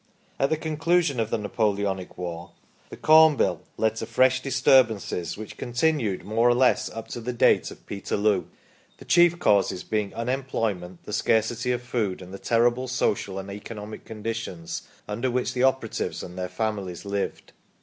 At the conclusion of the Napoleonic war the Corn Bill led to 10 THE STORY OF PETERLOO fresh disturbances, which continued, more or less, up to the date of Peterloo, the chief causes being unemployment, the scarcity of food, ancTtbe terrible socjajjincl economicjco'n3S5ons^ underwhich the opera tives and their families lived.